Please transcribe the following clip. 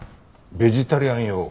ベジタリアン用？